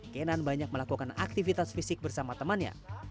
kenan banyak melakukan aktivitas fisik bersama temannya